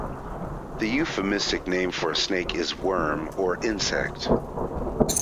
"The euphemistic name for a snake is "worm" or "insect"."